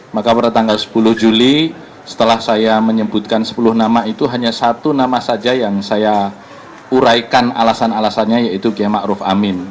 maka pada tanggal sepuluh juli setelah saya menyebutkan sepuluh nama itu hanya satu nama saja yang saya uraikan alasan alasannya yaitu kiai ⁇ maruf ⁇ amin